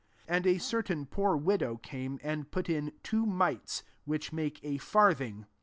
42 And a certain [poor] widow came, and put in two mites, which make a farthing.